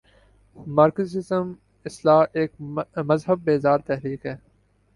Marxism اصلا ایک مذہب بیزار تحریک ہے۔